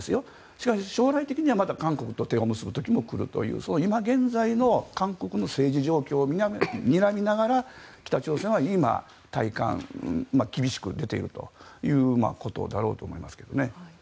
しかし将来的には韓国と手を結ぶ時も来るという今現在の韓国の政治状況をにらみながら北朝鮮は今対韓、厳しく出ているということだろうと思いますけどね。